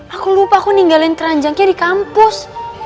aku lupa aku ninggalin keranjangnya di kampus